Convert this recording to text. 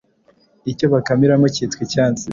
Icyo bakamiramo cyitwa Icyansi